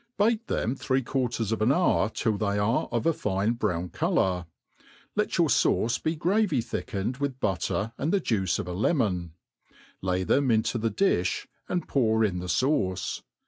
B^ke them three quarters of an hour till they a^e of a fine brown colour. Let your fauce be gravy thickened with butter and the juice of a lemon; lay them into the driby S^od pour in the fauce.